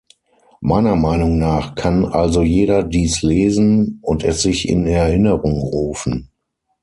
Meiner Meinung nach kann also jeder dies lesen und es sich in Erinnerung rufen.